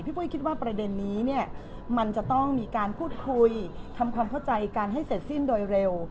ปุ้ยคิดว่าประเด็นนี้เนี่ยมันจะต้องมีการพูดคุยทำความเข้าใจกันให้เสร็จสิ้นโดยเร็ว